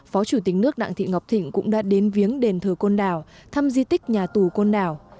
phó chủ tịch nước đặng thị ngọc thịnh cũng đã đến viếng đền thờ côn đảo thăm di tích nhà tù côn đảo